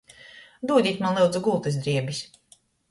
Dūdit maņ, lyudzu, gultys drēbis!